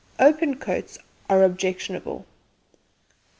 Open coats are objectionable.